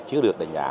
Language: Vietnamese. chưa được đánh giá